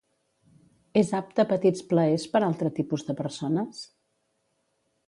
És apta Petits plaers per altre tipus de persones?